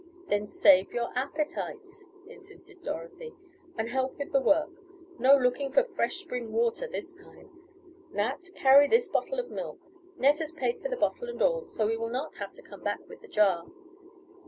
"Then save your appetites," insisted Dorothy, "and help with the work. No looking for fresh spring water this time. Nat, carry this bottle of milk. Ned has paid for the bottle and all, so we will not have to come back with the jar."